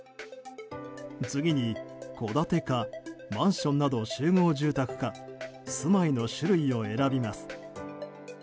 次に、戸建てかマンションなど集合住宅か住まいの種類を選びます。